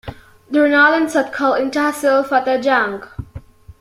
Dhurnal and Sadkal in Tehsil Fateh Jang.